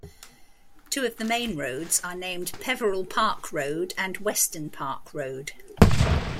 Two of the main roads are named Peverell Park Road and Weston Park Road.